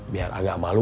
biar agak malu